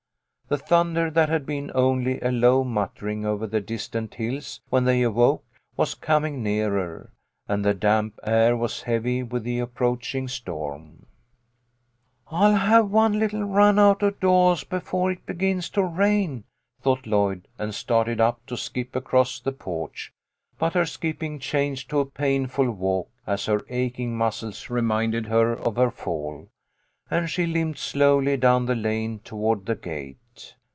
The thunder, that had been only a low muttering over the distant hills when they awoke, was coming nearer, and the damp air was heavy with the approaching storm. 68 THE LITTLE COLONEL'S HOLIDAYS. " I'll have one little run out of doahs befo* it begins to rain," thought Lloyd, and started up to skip across the porch; but her skipping changed to a painful walk as her aching muscles reminded her of her fall, and she limped slowly down the lane toward the gate.